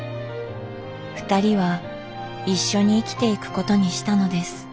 ふたりは一緒に生きていくことにしたのです。